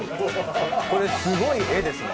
これすごい画ですね。